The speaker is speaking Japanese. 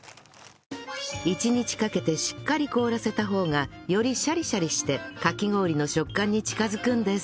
１日かけてしっかり凍らせた方がよりシャリシャリしてかき氷の食感に近づくんです